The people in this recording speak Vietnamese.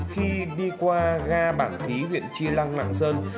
khi đi qua ga bản thí huyện chi lăng lạng sơn